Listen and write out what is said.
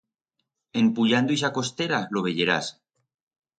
En puyando ixa costera, lo veyerás.